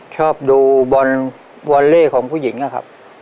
ชอบดูวอเล็กของผู้หญิงครับ